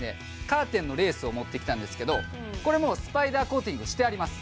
カーテンのレースを持ってきたんですけどこれもうスパイダーコーティングしてあります